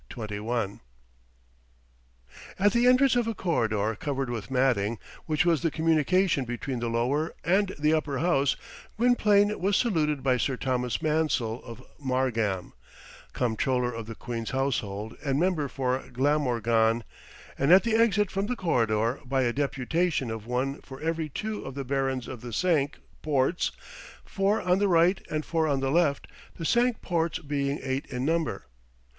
At the entrance of a corridor covered with matting, which was the communication between the Lower and the Upper House, Gwynplaine was saluted by Sir Thomas Mansell of Margam, Comptroller of the Queen's Household and Member for Glamorgan; and at the exit from the corridor by a deputation of one for every two of the Barons of the Cinque Ports, four on the right and four on the left, the Cinque Ports being eight in number.